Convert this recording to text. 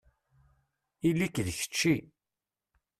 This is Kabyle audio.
Ili-k d kečči.